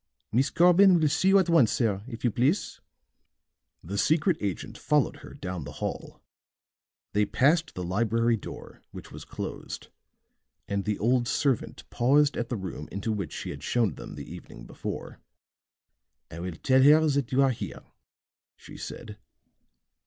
"Miss Corbin will see you at once, sir, if you please." The secret agent followed her down the hall; they passed the library door, which was closed; and the old servant paused at the room into which she had shown them the evening before. "I will tell her that you are here," she said.